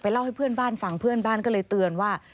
เล่าให้เพื่อนบ้านฟังเพื่อนบ้านก็เลยเตือนว่า